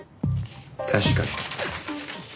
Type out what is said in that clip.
確かに。